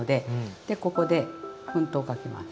でここで粉糖かけます。